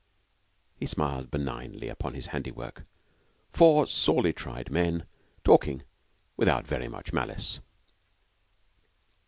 He smiled benignantly upon his handiwork four sorely tried men talking without very much malice.